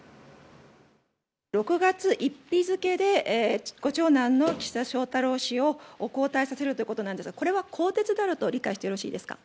６月１日付で、ご長男の岸田翔太郎氏を交代させるということなんですが、これは更迭であると理解してよろしいですか。